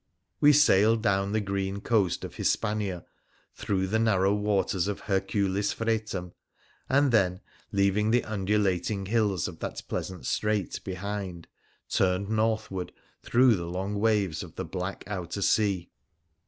We sailed down the green coast of Hispania, through the narrow waters of Herculis Fretum, and then, leaving the undulating hills of that pleasant strait behind, turned northward through the long waves of the black outer sea.